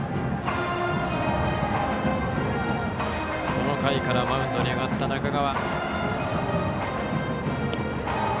この回からマウンドに上がった中川。